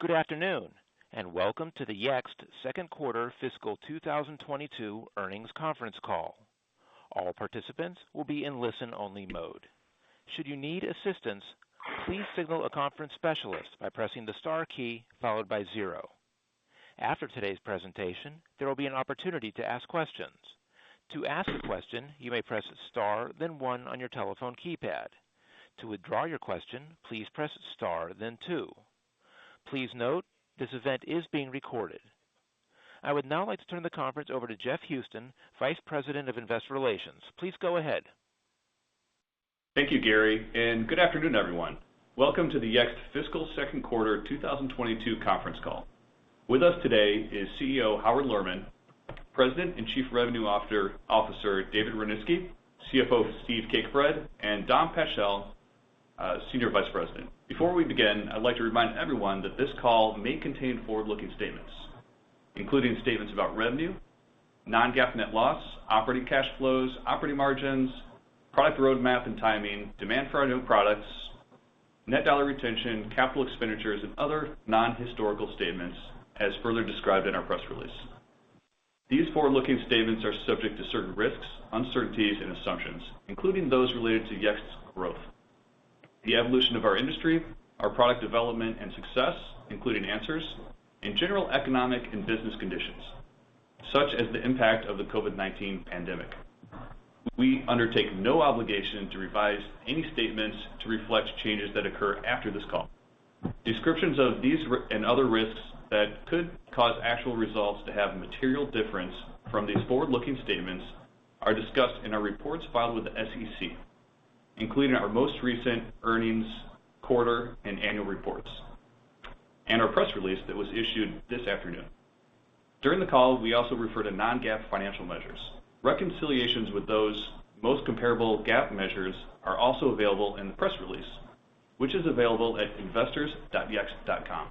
Good afternoon. Welcome to the Yext Q2 fiscal 2022 earnings conference call. All participants will be in listen-only mode. Should you need assistance? Please signal a conference specialist by pressing the star key followed by zero. After today's presentation, there will be an opportunity to ask questions, you may press the star then one on your telephone keypad. To withdraw your question, please press the star then two. Please note that this meeting is being recorded. I would now like to turn the conference over to Jeff Houston, Vice President of Investor Relations. Please go ahead. Thank you, Gary. Good afternoon, everyone. Welcome to the Yext fiscal Q2 2022 conference call. With us today is CEO Howard Lerman, President and Chief Revenue Officer David Rudnitsky, CFO Steven Cakebread, and Dominic Paschel, Senior Vice President. Before we begin, I'd like to remind everyone that this call may contain forward-looking statements, including statements about revenue, non-GAAP net loss, operating cash flows, operating margins, product roadmap and timing, demand for our new products, net dollar retention, capital expenditures, and other non-historical statements as further described in our press release. These forward-looking statements are subject to certain risks, uncertainties, and assumptions, including those related to Yext's growth, the evolution of our industry, our product development and success, including Answers, and general economic and business conditions, such as the impact of the COVID-19 pandemic. We undertake no obligation to revise any statements to reflect changes that occur after this call. Descriptions of these and other risks that could cause actual results to have material difference from these forward-looking statements are discussed in our reports filed with the SEC, including our most recent earnings quarter and annual reports, and our press release that was issued this afternoon. During the call, we also refer to non-GAAP financial measures. Reconciliations with those most comparable GAAP measures are also available in the press release, which is available at investors.yext.com.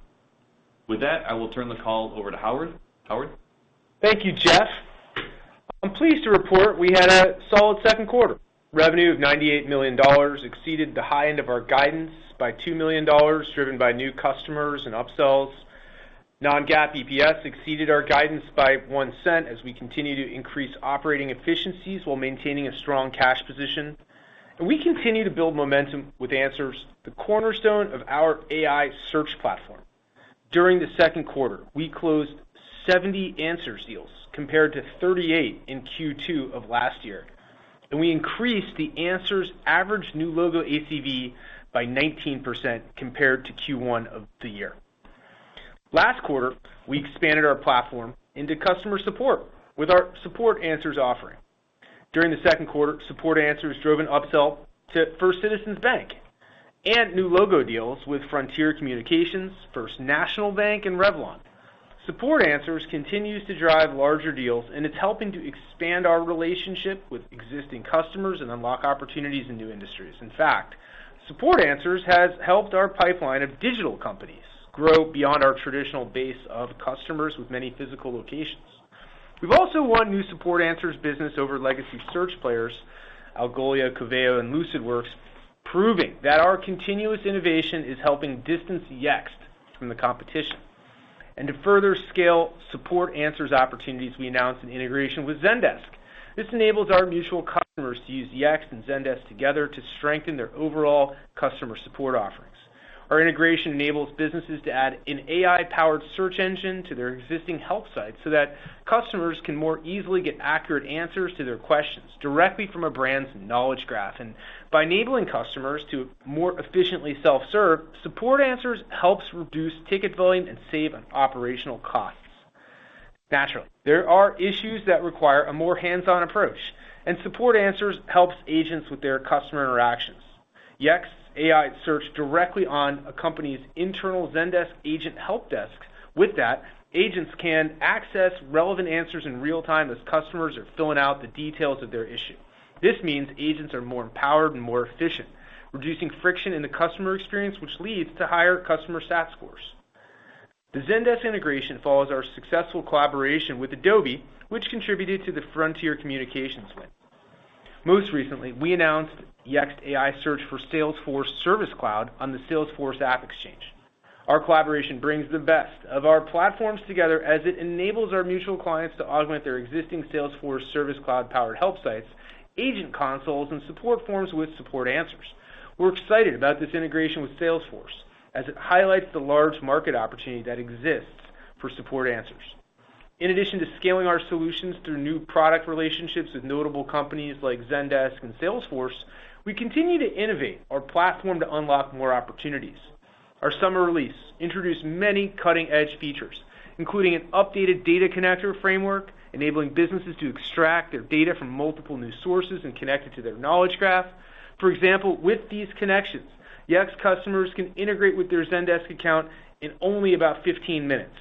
With that, I will turn the call over to Howard. Howard? Thank you, Jeff. I'm pleased to report we had a solid Q2. Revenue of $98 million exceeded the high end of our guidance by $2 million, driven by new customers and upsells. Non-GAAP EPS exceeded our guidance by $0.01 as we continue to increase operating efficiencies while maintaining a strong cash position. We continue to build momentum with Answers, the cornerstone of our AI Search platform. During the Q2, we closed 70 Answers deals compared to 38 in Q2 of last year, and we increased the Answers average new logo ACV by 19% compared to Q1 of the year. Last quarter, we expanded our platform into customer support with our Support Answers offering. During the Q2, Support Answers drove an upsell to First Citizens Bank and new logo deals with Frontier Communications, First National Bank, and Revlon. Support Answers continues to drive larger deals, and it's helping to expand our relationship with existing customers and unlock opportunities in new industries. In fact, Support Answers has helped our pipeline of digital companies grow beyond our traditional base of customers with many physical locations. We've also won new Support Answers business over legacy search players, Algolia, Coveo, and Lucidworks, proving that our continuous innovation is helping distance Yext from the competition. To further scale Support Answers opportunities, we announced an integration with Zendesk. This enables our mutual customers to use Yext and Zendesk together to strengthen their overall customer support offerings. Our integration enables businesses to add an AI-powered search engine to their existing help site so that customers can more easily get accurate answers to their questions directly from a brand's knowledge graph. By enabling customers to more efficiently self-serve, Support Answers helps reduce ticket volume and save on operational costs. Naturally, there are issues that require a more hands-on approach. Support Answers helps agents with their customer interactions. Yext AI Search directly on a company's internal Zendesk agent help desk. With that, agents can access relevant answers in real time as customers are filling out the details of their issue. This means agents are more empowered and more efficient, reducing friction in the customer experience, which leads to higher customer CSAT scores. The Zendesk integration follows our successful collaboration with Adobe, which contributed to the Frontier Communications win. Most recently, we announced Yext AI Search for Salesforce Service Cloud on the Salesforce AppExchange. Our collaboration brings the best of our platforms together as it enables our mutual clients to augment their existing Salesforce Service Cloud-powered help sites, agent consoles, and support forms with Support Answers. We're excited about this integration with Salesforce as it highlights the large market opportunity that exists for Support Answers. In addition to scaling our solutions through new product relationships with notable companies like Zendesk and Salesforce, we continue to innovate our platform to unlock more opportunities. Our summer release introduced many cutting-edge features, including an updated data connector framework, enabling businesses to extract their data from multiple new sources and connect it to their knowledge graph. For example, with these connections, Yext customers can integrate with their Zendesk account in only about 15 minutes.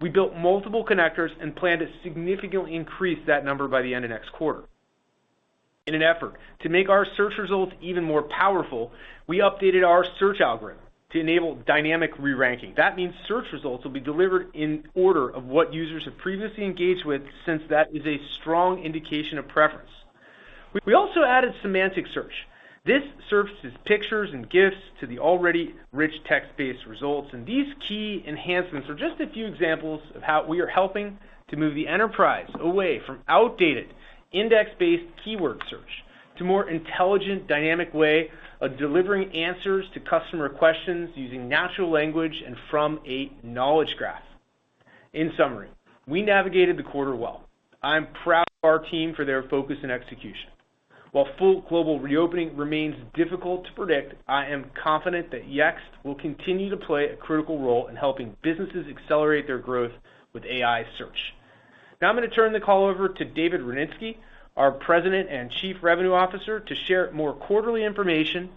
We built multiple connectors and plan to significantly increase that number by the end of next quarter. In an effort to make our search results even more powerful, we updated our search algorithm to enable dynamic re-ranking. That means search results will be delivered in order of what users have previously engaged with, since that is a strong indication of preference. We also added semantic search. These key enhancements are just a few examples of how we are helping to move the enterprise away from outdated index-based keyword search to more intelligent, dynamic way of delivering answers to customer questions using natural language and from a knowledge graph. In summary, we navigated the quarter well. I'm proud of our team for their focus and execution. While full global reopening remains difficult to predict, I am confident that Yext will continue to play a critical role in helping businesses accelerate their growth with AI Search. Now I'm going to turn the call over to David Rudnitsky, our President and Chief Revenue Officer, to share more quarterly information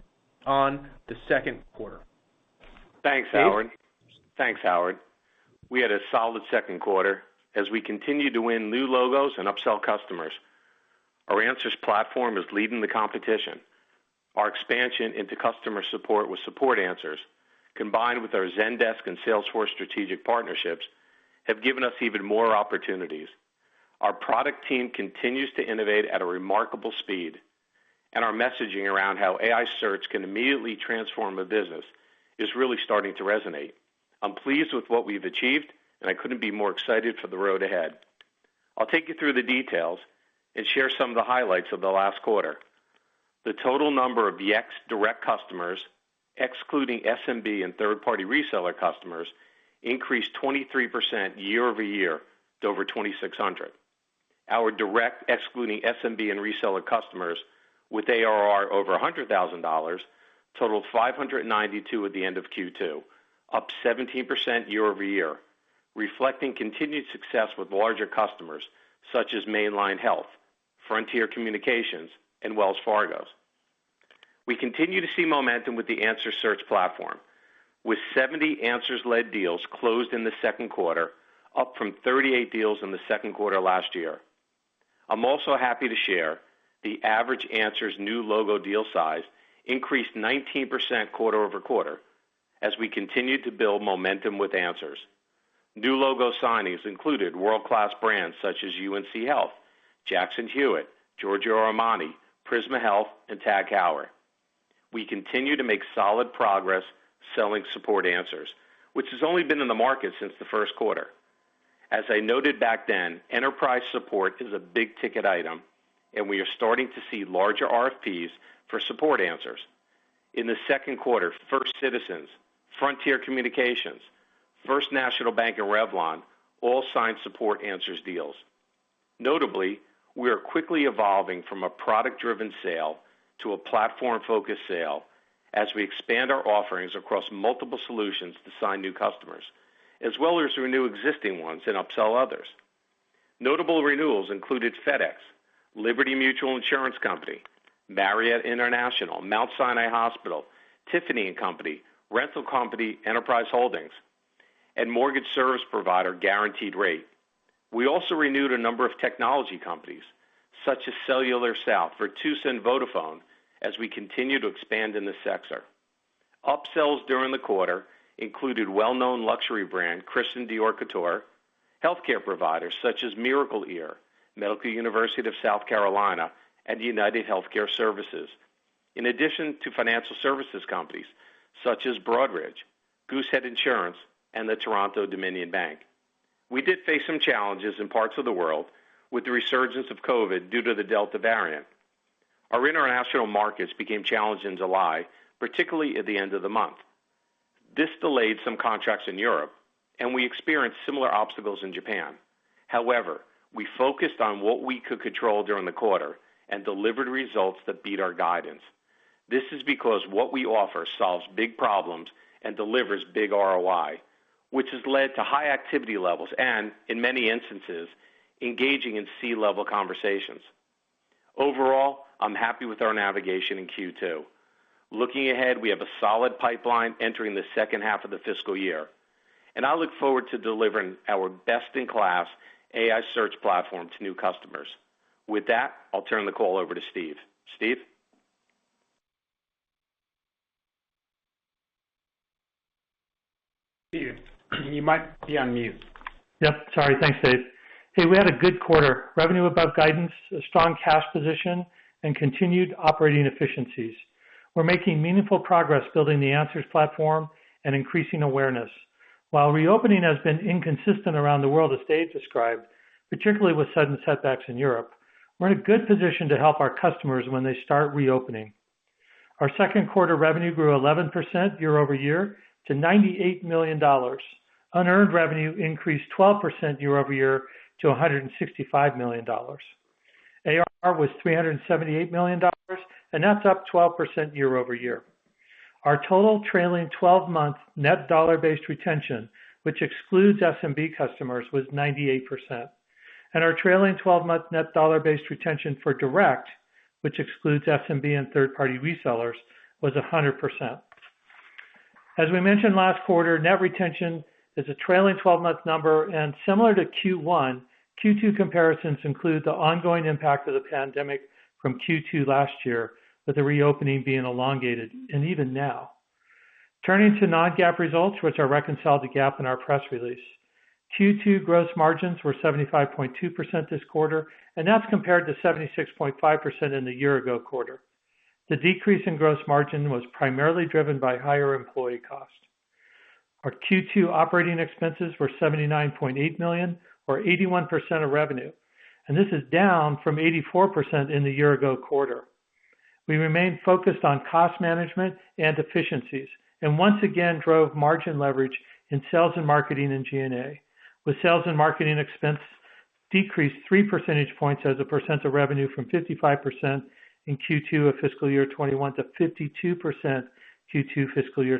on the Q2. Dave? Thanks, Howard. We had a solid Q2 as we continue to win new logos and upsell customers. Our Answers platform is leading the competition. Our expansion into customer support with Support Answers, combined with our Zendesk and Salesforce strategic partnerships, have given us even more opportunities. Our product team continues to innovate at a remarkable speed, and our messaging around how AI search can immediately transform a business is really starting to resonate. I'm pleased with what we've achieved, and I couldn't be more excited for the road ahead. I'll take you through the details and share some of the highlights of the last quarter. The total number of Yext direct customers, excluding SMB and third-party reseller customers, increased 23% year-over-year to over 2,600. Our direct, excluding SMB and reseller customers with ARR over $100,000 totaled 592 at the end of Q2, up 17% year-over-year, reflecting continued success with larger customers such as Main Line Health, Frontier Communications, and Wells Fargo. We continue to see momentum with the Answers Search platform, with 70 Answers-led deals closed in the Q2, up from 38 deals in the Q2 last year. I am also happy to share the average Answers new logo deal size increased 19% quarter-over-quarter as we continued to build momentum with Answers. New logo signings included world-class brands such as UNC Health, Jackson Hewitt, Giorgio Armani, Prisma Health, and TAG Heuer. We continue to make solid progress selling Support Answers, which has only been in the market since the Q1. As I noted back then, enterprise support is a big-ticket item, and we are starting to see larger RFPs for Support Answers. In the Q2, First Citizens, Frontier Communications, First National Bank of Omaha, Revlon all signed Support Answers deals. Notably, we are quickly evolving from a product-driven sale to a platform-focused sale as we expand our offerings across multiple solutions to sign new customers, as well as renew existing ones and upsell others. Notable renewals included FedEx, Liberty Mutual Insurance Company, Marriott International, The Mount Sinai Hospital, Tiffany & Co., rental company Enterprise Holdings, and mortgage service provider Guaranteed Rate. We also renewed a number of technology companies, such as Cellular South, Swisscom, Vodafone, as we continue to expand in this sector. Upsells during the quarter included well-known luxury brand Christian Dior Couture, healthcare providers such as Miracle-Ear, Medical University of South Carolina, and UnitedHealthcare Services, in addition to financial services companies such as Broadridge, Goosehead Insurance, and The Toronto-Dominion Bank. We did face some challenges in parts of the world with the resurgence of COVID due to the Delta variant. Our international markets became challenged in July, particularly at the end of the month. This delayed some contracts in Europe, and we experienced similar obstacles in Japan. However, we focused on what we could control during the quarter and delivered results that beat our guidance. This is because what we offer solves big problems and delivers big ROI, which has led to high activity levels and, in many instances, engaging in C-level conversations. Overall, I'm happy with our navigation in Q2. Looking ahead, we have a solid pipeline entering the second half of the fiscal year, and I look forward to delivering our best-in-class AI Search platform to new customers. With that, I'll turn the call over to Steve. Steve? Steve, you might be on mute. Yep. Sorry. Thanks, Dave. Hey, we had a good quarter. Revenue above guidance, a strong cash position, and continued operating efficiencies. We're making meaningful progress building the Answers platform and increasing awareness. While reopening has been inconsistent around the world, as Dave described, particularly with sudden setbacks in Europe, we're in a good position to help our customers when they start reopening. Our Q2 revenue grew 11% year-over-year to $98 million. Unearned revenue increased 12% year-over-year to $165 million. ARR was $378 million, and that's up 12% year-over-year. Our total trailing 12-month net dollar-based retention, which excludes SMB customers, was 98%, and our trailing 12-month net dollar-based retention for direct, which excludes SMB and third-party resellers, was 100%. As we mentioned last quarter, net retention is a trailing 12-month number, and similar to Q1, Q2 comparisons include the ongoing impact of the pandemic from Q2 last year, with the reopening being elongated, and even now. Turning to non-GAAP results, which are reconciled to GAAP in our press release. Q2 gross margins were 75.2% this quarter, and that's compared to 76.5% in the year-ago quarter. The decrease in gross margin was primarily driven by higher employee cost. Our Q2 operating expenses were $79.8 million, or 81% of revenue, and this is down from 84% in the year-ago quarter. We remain focused on cost management and efficiencies, and once again drove margin leverage in sales and marketing and G&A, with sales and marketing expense decreased 3 percentage points as a percent of revenue from 55% in Q2 of fiscal year 2021 to 52% Q2 fiscal year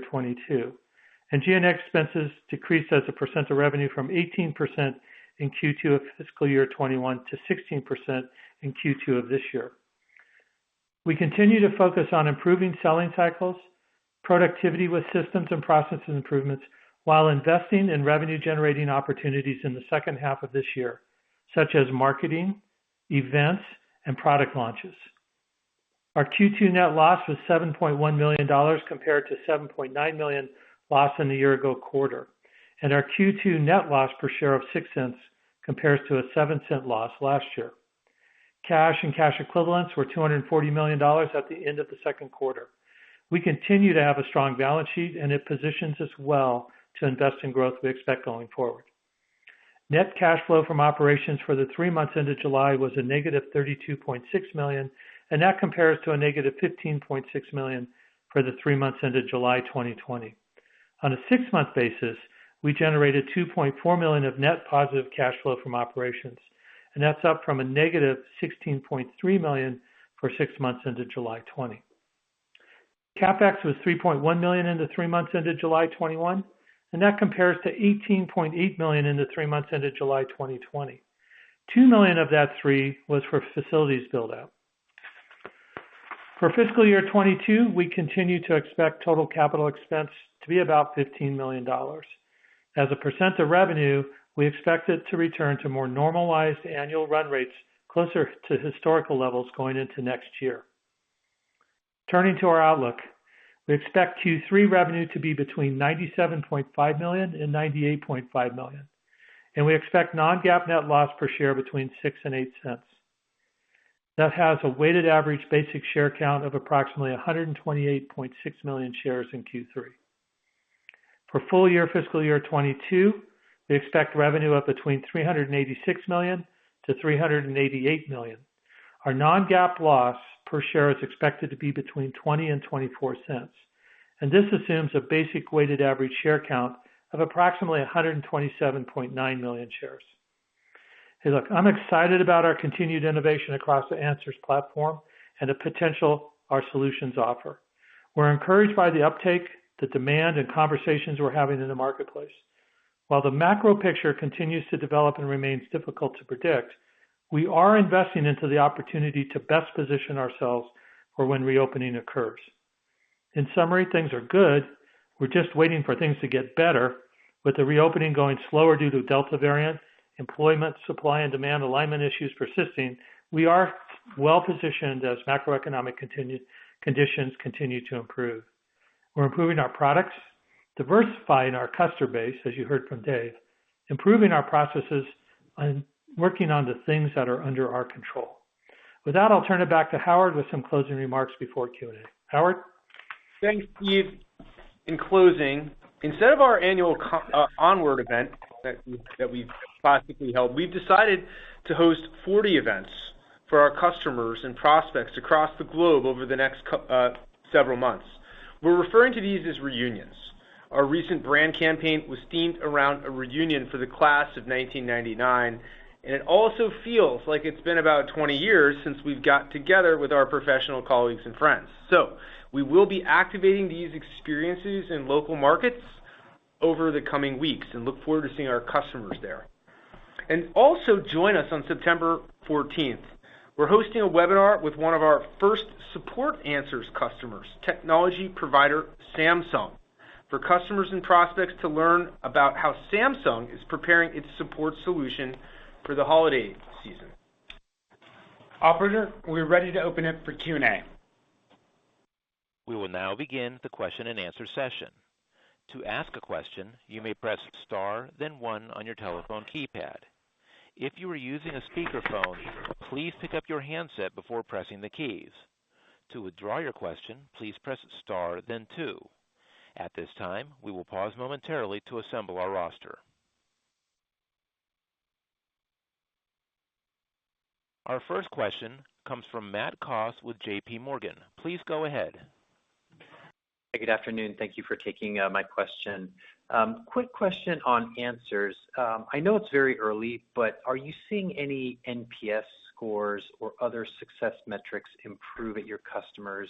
2022. G&A expenses decreased as a percent of revenue from 18% in Q2 of fiscal year 2021 to 16% in Q2 of this year. We continue to focus on improving selling cycles, productivity with systems and process improvements, while investing in revenue-generating opportunities in the H2 of this year, such as marketing, events, and product launches. Our Q2 net loss was $7.1 million, compared to $7.9 million loss in the year-ago quarter, and our Q2 net loss per share of $0.06 compares to a $0.07 loss last year. Cash and cash equivalents were $240 million at the end of the Q2. We continue to have a strong balance sheet, and it positions us well to invest in growth we expect going forward. Net cash flow from operations for the 3 months ended July was -$32.6 million. That compares to -$15.6 million for the three months ended July 2020. On a six-month basis, we generated $2.4 million of net positive cash flow from operations. That's up from -$16.3 million for six months ended July 2020. CapEx was $3.1 million in the three months ended July 2021. That compares to $18.8 million in the three months ended July 2020. $2 million of that $3.1 million was for facilities build-out. For fiscal year 2022, we continue to expect total capital expense to be about $15 million. As a % of revenue, we expect it to return to more normalized annual run rates closer to historical levels going into next year. Turning to our outlook, we expect Q3 revenue to be between $97.5 million and $98.5 million, and we expect non-GAAP net loss per share between $0.06 and $0.08. That has a weighted average basic share count of approximately 128.6 million shares in Q3. For full-year fiscal year 2022, we expect revenue of between $386 million-$388 million. Our non-GAAP loss per share is expected to be between $0.20 and $0.24, and this assumes a basic weighted average share count of approximately 127.9 million shares. Hey, look, I'm excited about our continued innovation across the Answers platform and the potential our solutions offer. We're encouraged by the uptake, the demand, and conversations we're having in the marketplace. While the macro picture continues to develop and remains difficult to predict, we are investing into the opportunity to best position ourselves for when reopening occurs. In summary, things are good. We're just waiting for things to get better. With the reopening going slower due to Delta variant, employment, supply and demand alignment issues persisting, we are well positioned as macroeconomic conditions continue to improve. We're improving our products, diversifying our customer base, as you heard from Dave, improving our processes, and working on the things that are under our control. With that, I'll turn it back to Howard with some closing remarks before Q&A. Howard? Thanks, Steve. In closing, instead of our annual Onward event that we've classically held, we've decided to host 40 events for our customers and prospects across the globe over the next several months. We're referring to these as reunions. Our recent brand campaign was themed around a reunion for the class of 1999, and it also feels like it's been about 20 years since we've got together with our professional colleagues and friends. We will be activating these experiences in local markets over the coming weeks and look forward to seeing our customers there. Also join us on September 14th. We're hosting a webinar with one of our first Support Answers customers, technology provider Samsung, for customers and prospects to learn about how Samsung is preparing its support solution for the holiday season. Operator, we're ready to open up for Q&A. We will now begin the question-and-answer session. To ask a question, you may press star then one on your telephone keypad. If you are using a speakerphone, please take up your headset before pressing the keys. To withdraw your questions, please press star then two. At this time we will pause momentarily to assemble our roster. Our first question comes from Matthew Coss with J.P. Morgan. Please go ahead. Hey, good afternoon. Thank you for taking my question. Quick question on Answers. I know it's very early, but are you seeing any NPS scores or other success metrics improve at your customers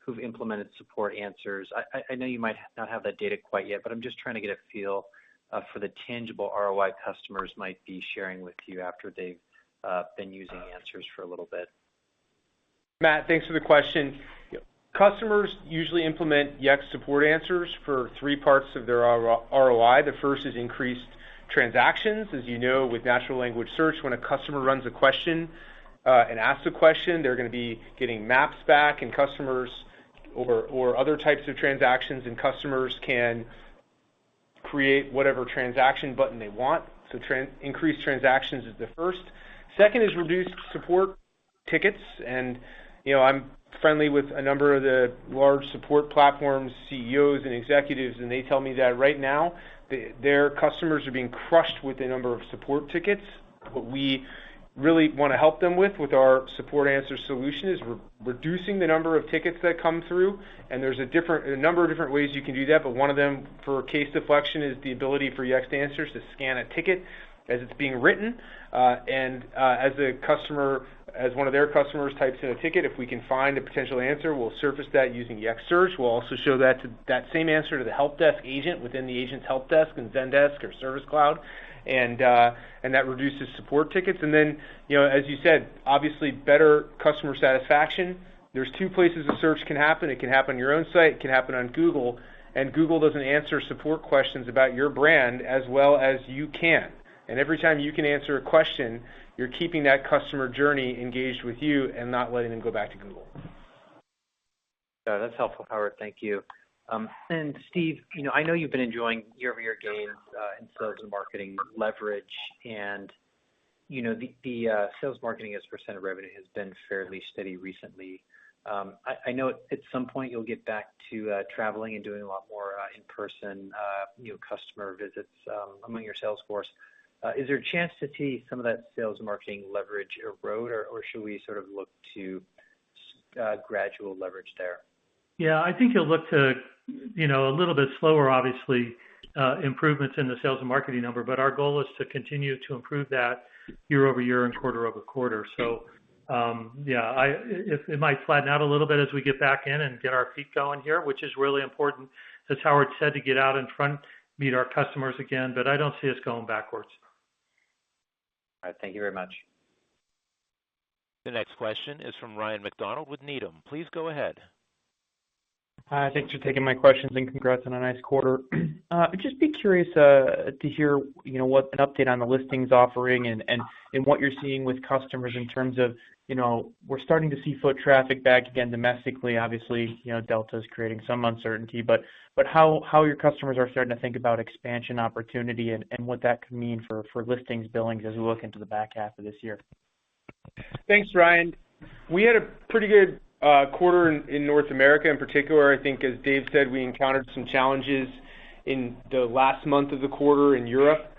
who've implemented Support Answers? I know you might not have that data quite yet, but I'm just trying to get a feel for the tangible ROI customers might be sharing with you after they've been using Answers for a little bit. Matt, thanks for the question. Yep. Customers usually implement Yext Support Answers for three parts of their ROI. The first is increased transactions. As you know, with natural language search, when a customer runs a question and asks a question, they're going to be getting maps back or other types of transactions, and customers can create whatever transaction button they want. Increase transactions is the first. Second is reduce support tickets. I'm friendly with a number of the large support platforms, CEOs, and executives, and they tell me that right now, their customers are being crushed with the number of support tickets. What we really want to help them with our Support Answers solution, is reducing the number of tickets that come through. There's a number of different ways you can do that, but one of them, for case deflection, is the ability for Yext Answers to scan a ticket as it's being written. As one of their customers types in a ticket, if we can find a potential answer, we'll surface that using Yext Search. We'll also show that same answer to the help desk agent within the agent's help desk in Zendesk or Service Cloud, and that reduces support tickets. Then, as you said, obviously better customer satisfaction. There's two places a search can happen. It can happen on your own site, it can happen on Google, and Google doesn't answer support questions about your brand as well as you can. Every time you can answer a question, you're keeping that customer journey engaged with you and not letting them go back to Google. Yeah, that's helpful, Howard. Thank you. Steve, I know you've been enjoying year-over-year gains in sales and marketing leverage, and the sales marketing as percent of revenue has been fairly steady recently. I know at some point you'll get back to traveling and doing a lot more in-person new customer visits among your sales force. Is there a chance to see some of that sales and marketing leverage erode, or should we sort of look to gradual leverage there? Yeah, I think you'll look to a little bit slower, obviously, improvements in the sales and marketing number. Our goal is to continue to improve that year-over-year and quarter-over-quarter. Yeah, it might flatten out a little bit as we get back in and get our feet going here, which is really important, as Howard said, to get out in front, meet our customers again. I don't see us going backwards. All right. Thank you very much. The next question is from Ryan MacDonald with Needham. Please go ahead. Hi, thanks for taking my questions and congrats on a nice quarter. I'd just be curious to hear an update on the Listings offering and what you're seeing with customers in terms of, we're starting to see foot traffic back again domestically. Obviously, Delta's creating some uncertainty, but how your customers are starting to think about expansion opportunity, and what that could mean for Listings billings as we look into the back half of this year. Thanks, Ryan. We had a pretty good quarter in North America. In particular, I think, as David Rudnitsky said, we encountered some challenges in the last month of the quarter in Europe.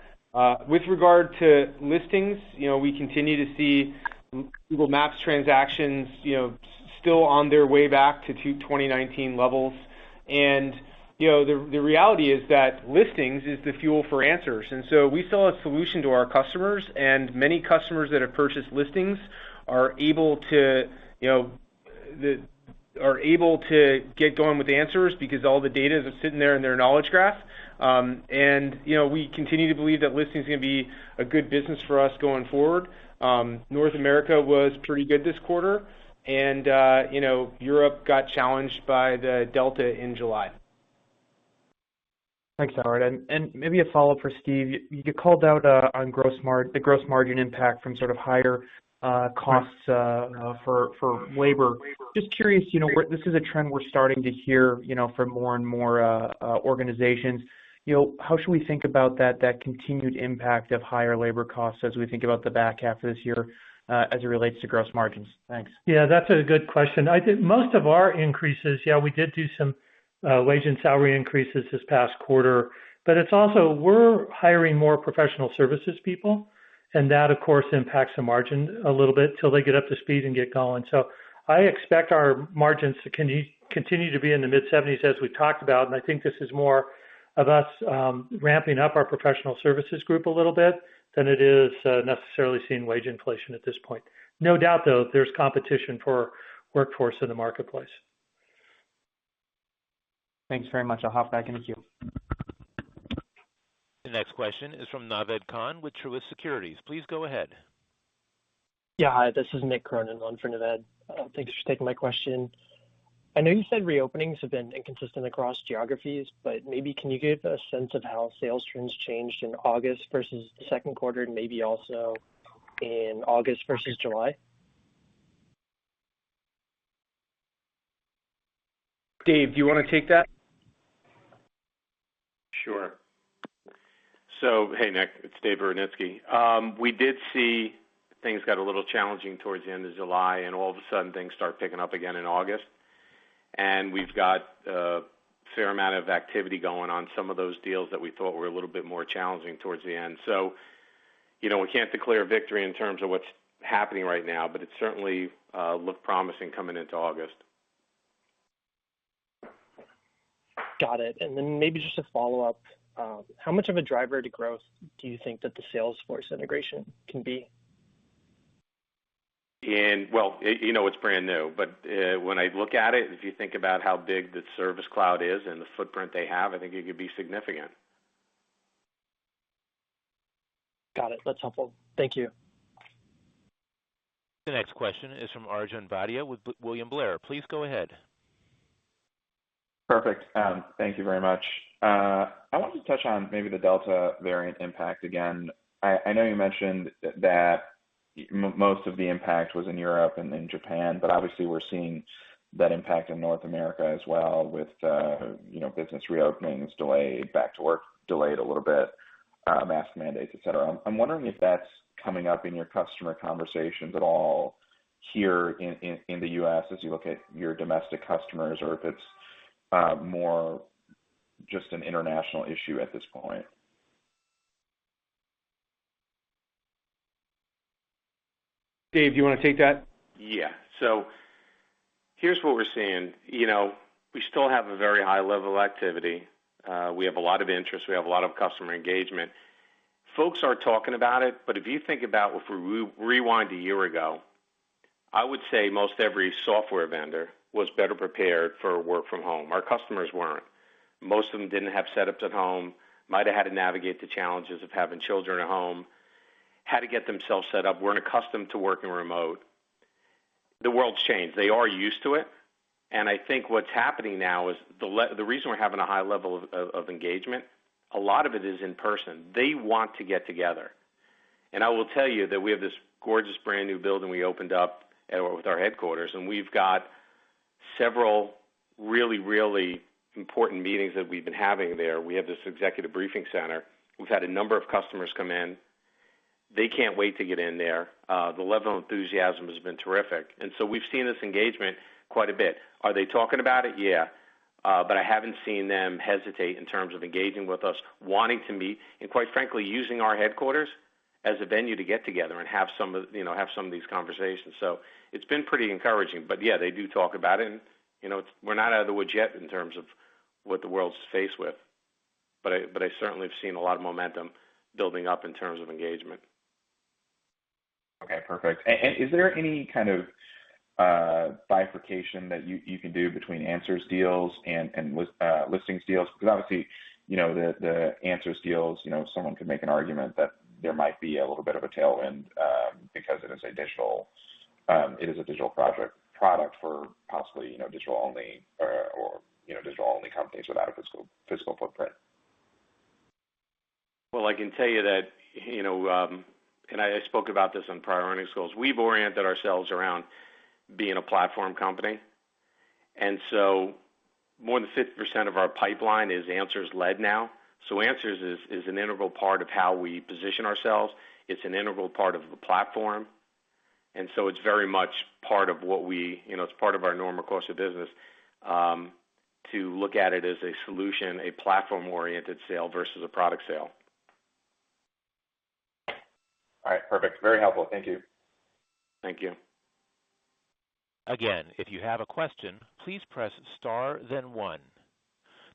With regard to listings, we continue to see Google Maps transactions still on their way back to 2019 levels. The reality is that listings is the fuel for Answers. We sell a solution to our customers, and many customers that have purchased listings are able to get going with Answers because all the data is sitting there in their knowledge graph. We continue to believe that listings is going to be a good business for us going forward. North America was pretty good this quarter, and Europe got challenged by the Delta in July. Thanks, Howard. Maybe a follow-up for Steve. You called out on the gross margin impact from sort of higher costs for labor. Just curious, this is a trend we're starting to hear from more and more organizations. How should we think about that continued impact of higher labor costs as we think about the back half of this year as it relates to gross margins? Thanks. Yeah, that's a good question. I think most of our increases, yeah, we did do some wage and salary increases this past quarter. It's also we're hiring more professional services people, and that, of course, impacts the margin a little bit till they get up to speed and get going. I expect our margins to continue to be in the mid-70s as we talked about, and I think this is more of us ramping up our professional services group a little bit than it is necessarily seeing wage inflation at this point. No doubt, though, there's competition for workforce in the marketplace. Thanks very much. I'll hop back in the queue. The next question is from Naved Khan with Truist Securities. Please go ahead. Yeah. Hi, this is Nicholas Cronin on for Naved. Thanks for taking my question. I know you said re-openings have been inconsistent across geographies, maybe can you give a sense of how sales trends changed in August versus the Q2, and maybe also in August versus July? David Rudnitsky, do you want to take that? Sure. Hey, Nick, it's David Rudnitsky. We did see things got a little challenging towards the end of July. All of a sudden, things start picking up again in August. We've got a fair amount of activity going on some of those deals that we thought were a little bit more challenging towards the end. We can't declare victory in terms of what's happening right now, but it certainly looked promising coming into August. Got it. Maybe just a follow-up. How much of a driver to growth do you think that the Salesforce integration can be? Well, it's brand new. When I look at it, if you think about how big the Service Cloud is and the footprint they have, I think it could be significant. Got it. That's helpful. Thank you. The next question is from Arjun Bhatia with William Blair. Please go ahead. Perfect. Thank you very much. I wanted to touch on maybe the Delta variant impact again. I know you mentioned that- Most of the impact was in Europe and in Japan, but obviously we're seeing that impact in North America as well with business re-openings delayed, back to work delayed a little bit, mask mandates, et cetera. I'm wondering if that's coming up in your customer conversations at all here in the U.S. as you look at your domestic customers, or if it's more just an international issue at this point. David Rudnitsky, do you want to take that? Yeah. Here's what we're seeing. We still have a very high level of activity. We have a lot of interest, we have a lot of customer engagement. Folks are talking about it, but if you think about, if we rewind to a year ago, I would say most every software vendor was better prepared for work from home. Our customers weren't. Most of them didn't have setups at home, might've had to navigate the challenges of having children at home, had to get themselves set up, weren't accustomed to working remote. The world's changed. They are used to it, and I think what's happening now is the reason we're having a high level of engagement, a lot of it is in person. They want to get together. I will tell you that we have this gorgeous brand-new building we opened up with our headquarters, and we've got several really, really important meetings that we've been having there. We have this executive briefing center. We've had a number of customers come in. They can't wait to get in there. The level of enthusiasm has been terrific. We've seen this engagement quite a bit. Are they talking about it? Yeah. I haven't seen them hesitate in terms of engaging with us, wanting to meet, and quite frankly, using our headquarters as a venue to get together and have some of these conversations. It's been pretty encouraging. Yeah, they do talk about it, and we're not out of the woods yet in terms of what the world's faced with. I certainly have seen a lot of momentum building up in terms of engagement. Okay, perfect. Is there any kind of bifurcation that you can do between Answers deals and Listings deals? Obviously, the Answers deals, someone could make an argument that there might be a little bit of a tailwind because it is a digital product for possibly digital-only companies without a physical footprint. I can tell you that, and I spoke about this on prior earnings calls, we've oriented ourselves around being a platform company. More than 50% of our pipeline is Answers led now. Answers is an integral part of how we position ourselves. It's an integral part of the platform. It's very much part of our normal course of business, to look at it as a solution, a platform-oriented sale versus a product sale. All right, perfect. Very helpful. Thank you. Thank you. Again, if you have a question, please press star then one.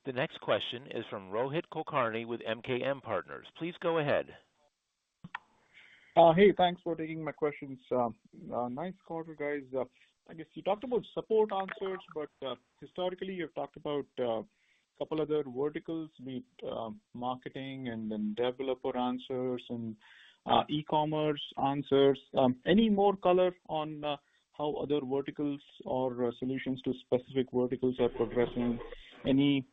The next question is from Rohit Kulkarni with MKM Partners. Please go ahead. Hey, thanks for taking my questions. Nice quarter, guys. I guess you talked about Support Answers, but historically you've talked about a couple other verticals, be it Marketing Answers and then Developer Answers and E-commerce Answers. Any more color on how other verticals or solutions to specific verticals are progressing? Any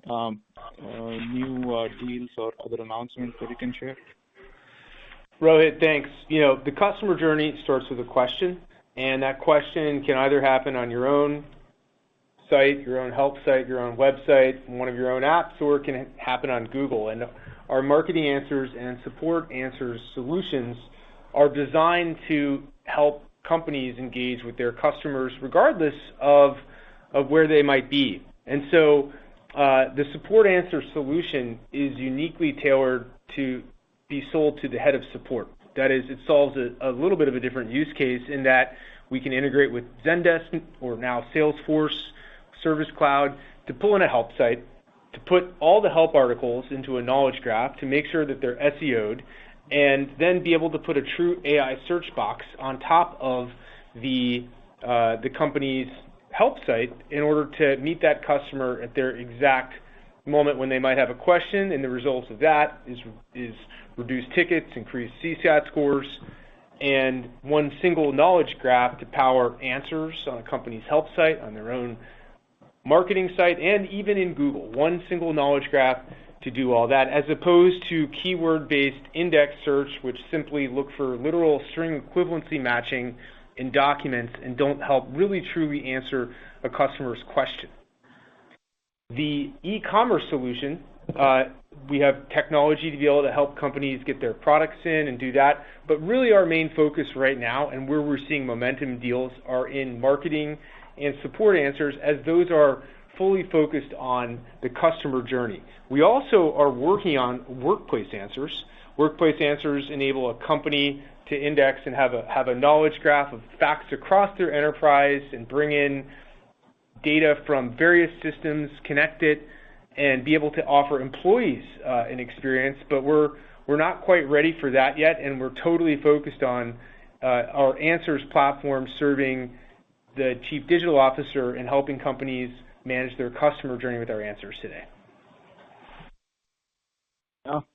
new deals or other announcements that you can share? Rohit, thanks. The customer journey starts with a question. That question can either happen on your own site, your own help site, your own website, one of your own apps, or it can happen on Google. Our Marketing Answers and Support Answers solutions are designed to help companies engage with their customers regardless of where they might be. The Support Answers solution is uniquely tailored to be sold to the head of support. That is, it solves a little bit of a different use case in that we can integrate with Zendesk, or now Salesforce Service Cloud, to pull in a help site, to put all the help articles into a knowledge graph, to make sure that they're SEO'd, and then be able to put a true AI search box on top of the company's help site in order to meet that customer at their exact moment when they might have a question. The results of that is reduced tickets, increased CSAT scores, and one-single knowledge graph to power Answers on a company's help site, on their own marketing site, and even in Google. One-single knowledge graph to do all that, as opposed to keyword-based index search, which simply look for literal string equivalency matching in documents and don't help really truly answer a customer's question. The e-commerce solution, we have technology to be able to help companies get their products in and do that. Really our main focus right now, and where we're seeing momentum deals, are in marketing and Support Answers, as those are fully focused on the customer journey. We also are working on Workplace Answers. Workplace Answers enable a company to index and have a knowledge graph of facts across their enterprise and bring in data from various systems, connect it, and be able to offer employees an experience. We're not quite ready for that yet, and we're totally focused on our Answers platform serving the chief digital officer and helping companies manage their customer journey with our Answers today.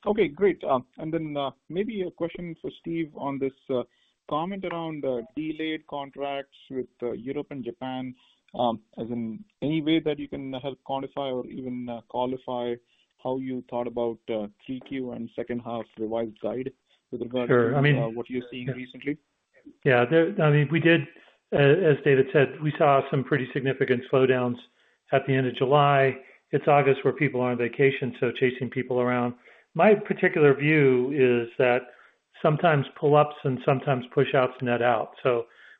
Okay, great. Maybe a question for Steve on this comment around delayed contracts with Europe and Japan. As in, any way that you can help quantify or even qualify how you thought about 3Q and H2 revised guide with regard. Sure what you're seeing recently? Yeah. As David said, we saw some pretty significant slowdowns at the end of July. It's August, where people are on vacation, chasing people around. My particular view is that sometimes pull-ups and sometimes push-outs net out.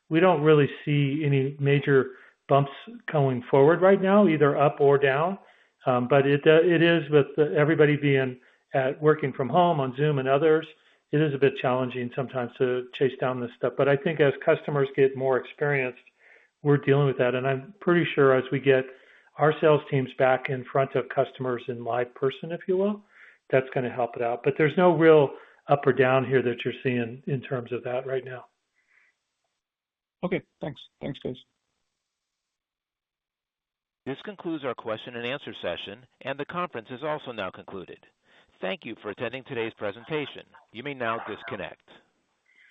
We don't really see any major bumps going forward right now, either up or down. With everybody working from home on Zoom and others, it is a bit challenging sometimes to chase down this stuff. I think as customers get more experienced, we're dealing with that. I'm pretty sure as we get our sales teams back in front of customers in live person, if you will, that's going to help it out. There's no real up or down here that you're seeing in terms of that right now. Okay, thanks. Thanks, guys. This concludes our question-and-answer session. The conference is also now concluded. Thank you for attending today's presentation. You may now disconnect.